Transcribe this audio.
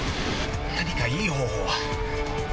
何かいい方法は。